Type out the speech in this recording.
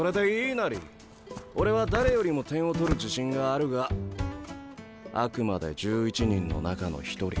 俺は誰よりも点を取る自信があるがあくまで１１人の中の１人。